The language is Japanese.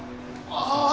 ああ！